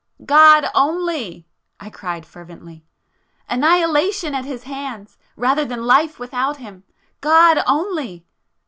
"God only!" I cried fervently—"Annihilation at His hands, rather than life without Him! God only!